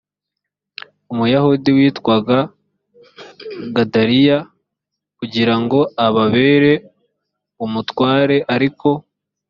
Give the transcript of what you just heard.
umuyahudi witwaga gedaliya kugira ngo ababere umutware ariko